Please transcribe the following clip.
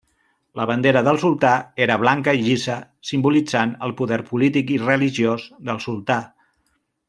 La bandera del sultà era blanca llisa simbolitzant el poder polític i religiós del sultà.